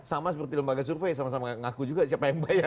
sama seperti lembaga survei sama sama ngaku juga siapa yang bayar